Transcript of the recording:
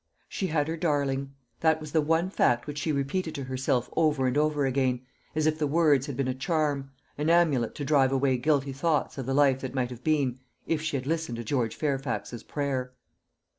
She had her darling. That was the one fact which she repeated to herself over and over again, as if the words had been a charm an amulet to drive away guilty thoughts of the life that might have been, if she had listened to George Fairfax's prayer.